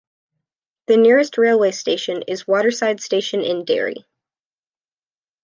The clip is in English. The nearest railway station is Waterside Station in Derry.